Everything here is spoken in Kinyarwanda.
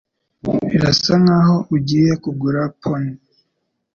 Birasa nkaho ugiye kugura pony.